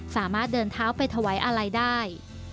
สามารถเดินเท้าไปถวายอาลัยได้